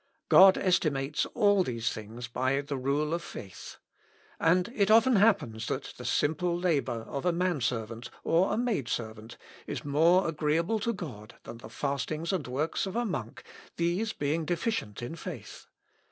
God estimates all these things by the rule of faith. And it often happens that the simple labour of a man servant, or a maid servant, is more agreeable to God than the fastings and works of a monk, these being deficient in faith....